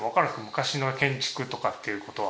昔の建築とかっていう事は。